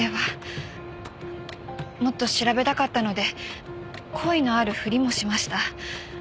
もっと調べたかったので好意のあるふりもしました。